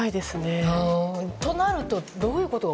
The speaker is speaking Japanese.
となると、どういうことが